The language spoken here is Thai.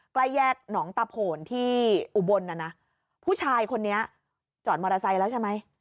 ใกล้แยกหนองตะโผนที่อุบลน่ะนะผู้ชายคนนี้จอดมอเตอร์ไซค์แล้วใช่ไหม